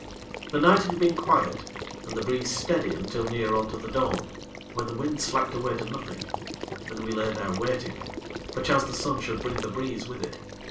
The night had been quiet, and the breeze steady until near on to the dawn, when the wind slacked away to nothing, and we lay there waiting, perchance the sun should bring the breeze with it.